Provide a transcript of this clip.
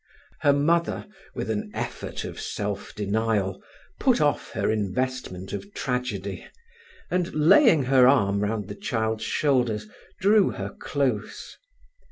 Her mother, with an effort of self denial, put off her investment of tragedy, and, laying her arm round the child's shoulders, drew her close.